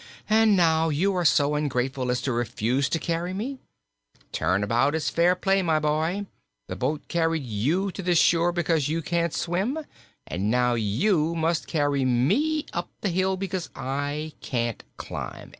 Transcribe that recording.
And now you are so ungrateful as to refuse to carry me! Turn about is fair play, my boy. The boat carried you to this shore, because you can't swim, and now you must carry me up the hill, because I can't climb.